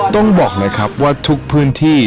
ต้องบอกเลยครับว่าทุกพื้นที่